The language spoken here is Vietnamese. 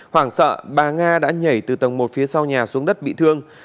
hoảng sợ bà nga đã nhảy từ tầng một phía sau nhà xuống đất bị thương